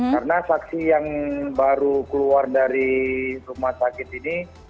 karena saksi yang baru keluar dari rumah sakit ini